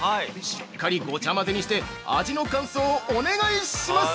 しっかり、ごちゃまぜにして味の感想をお願いします。